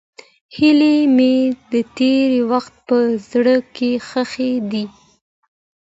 هیلې مې د تېر وخت په زړه کې ښخې دي.